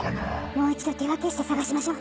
もう一度手分けして探しましょう。